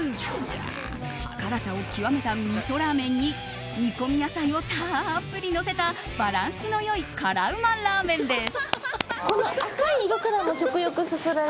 辛さを極めたみそラーメンに煮込み野菜をたっぷりのせたバランスの良い辛うまラーメンです。